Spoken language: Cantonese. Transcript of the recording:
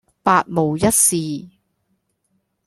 百無一是